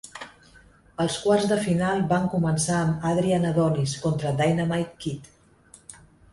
Els quarts de final van començar amb Adrian Adonis contra Dynamite Kid.